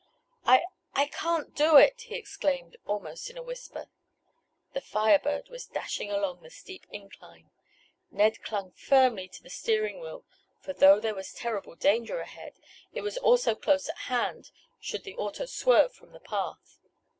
"I—I can't do it!" he exclaimed almost in a whisper. The Fire Bird was dashing along the steep incline. Ned clung firmly to the steering wheel, for though there was terrible danger ahead, it was also close at hand should the auto swerve from the path.